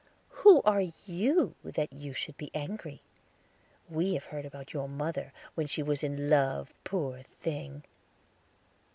"Who are you that you should be angry? We have heard about your mother, when she was in love, poor thing."